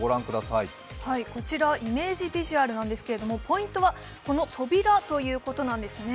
イメージビジュアルなんですけれども、ポイントはこの扉ということなんですね。